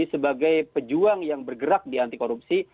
sebagai pejuang yang bergerak di anti korupsi